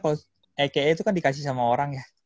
aka itu kan dikasih sama orang ya